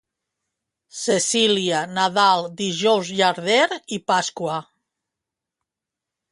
Cecília, Nadal, Dijous llarder i Pasqua.